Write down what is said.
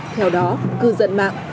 theo đó cư dận mạng